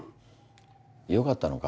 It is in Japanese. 良かったのか？